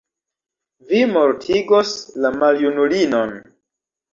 Vi mortigos la maljunulinon.